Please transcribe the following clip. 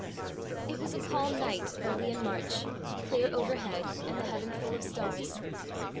It was a calm night early in March, clear overhead, and the heaven full of stars.